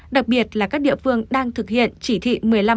đặc biệt là các địa phương đang thực hiện chỉ thị một mươi năm một mươi sáu